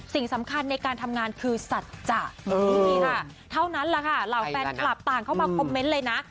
สิ่งสำคัญในการทำงานคือสัจจะนี่ค่ะเท่านั้นแหละค่ะเหล่าแฟนคลับต่างเข้ามาคอมเมนต์เลยนะ